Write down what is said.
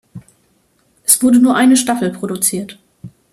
Es wurde nur eine Staffel produziert.